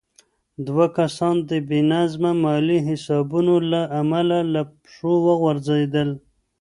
دوه کسان د بې نظمه مالي حسابونو له امله له پښو وغورځېدل.